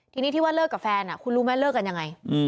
ทีนี้ที่ว่าเลิกกับแฟนคุณรู้ไหมเลิกกันยังไง